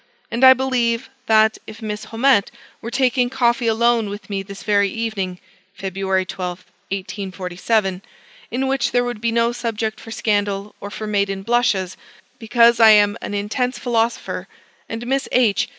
And I believe, that, if Miss Haumette were taking coffee alone with me this very evening (February 12, 1847) in which there would be no subject for scandal or for maiden blushes, because I am an intense philosopher, and Miss H.